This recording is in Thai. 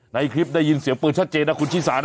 ในคลิปได้ยินเสียงปืนชัดเจนนะคุณชิสานะ